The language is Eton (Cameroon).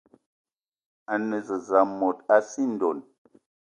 A ne zeze mot a sii ndonn